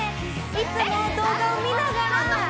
いつも動画を見ながらえっ！